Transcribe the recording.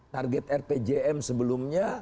target rpjm sebelumnya